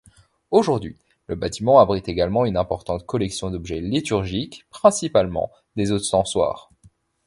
Aujourd'hui, le bâtiment abrite également une importante collection d'objets liturgiques, principalement des ostensoirs.